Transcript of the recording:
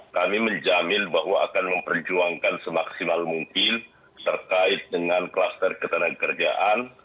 kami menjamin bahwa akan memperjuangkan semaksimal mungkin terkait dengan kluster ketenagakerjaan